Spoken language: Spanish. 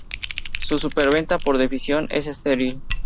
Un superventa, por definición, es estéril